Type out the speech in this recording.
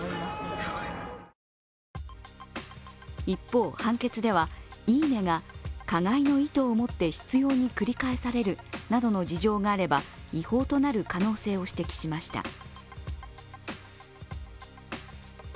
一方、判決では「いいね！」が加害の意図をもって執ように繰り返されるなどの事情があれば、違法となる可能性を指摘しました。